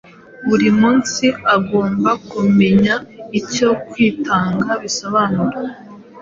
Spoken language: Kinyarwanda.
Buri munsi agomba kumenya icyo kwitanga bisobanuye.